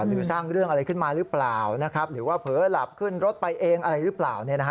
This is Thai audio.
หรือสร้างเรื่องอะไรขึ้นมาหรือเปล่าหรือว่าเผลอหลับขึ้นรถไปเองอะไรหรือเปล่า